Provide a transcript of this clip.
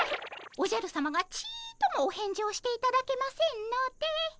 おじゃるさまがちっともお返事をしていただけませんので。